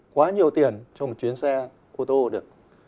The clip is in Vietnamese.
quá nhiều tiền cho một chiếc xe ô tô được